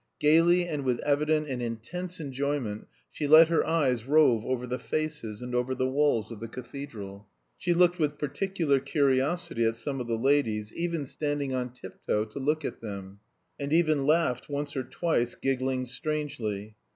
Gaily and with evident and intense enjoyment she let her eyes rove over the faces, and over the walls of the cathedral. She looked with particular curiosity at some of the ladies, even standing on tip toe to look at them, and even laughed once or twice, giggling strangely.